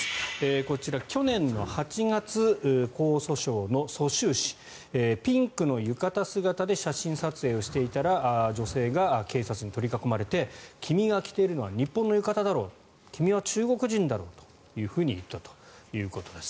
こちら、去年の８月江蘇省の蘇州市ピンクの浴衣姿で写真撮影をしていたら女性が警察に取り囲まれて君が着ているのは日本の浴衣だろ君は中国人だろと言ったということです。